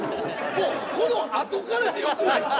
もうこの後からでよくないっすか？